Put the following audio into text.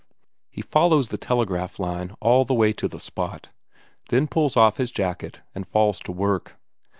He follows the telegraph line all the way to the spot, then pulls off his jacket and falls to work.